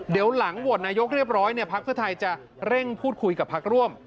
เดี๋ยวหลังโหวตนายกเรียบร้อยพักเพื่อไทยจะเร่งพูดคุยกับพักร่วม